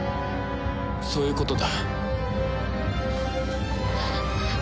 そういうことだ。